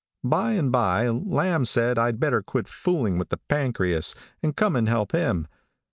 "By and by, Lamb said I'd better quit fooling with the pancreas, and come and help him.